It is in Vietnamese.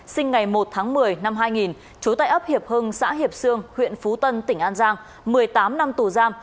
sinh ngày một tháng một mươi năm hai nghìn trú tại ấp hiệp hưng xã hiệp sương huyện phú tân tỉnh an giang một mươi tám năm tù giam